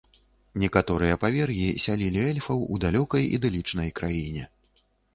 Некаторыя павер'і сялілі эльфаў у далёкай ідылічнай краіне.